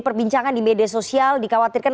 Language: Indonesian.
perbincangan di media sosial dikhawatirkan